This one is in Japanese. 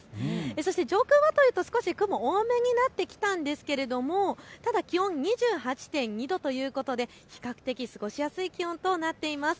そして上空はというと少し雲、多めになってきたんですけれど、ただ気温２８．２度ということで比較的、過ごしやすい気温となっています。